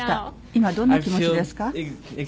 今、どんな気持ちですか？